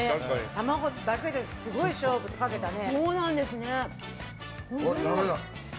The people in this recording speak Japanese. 卵だけで勝負かけたね。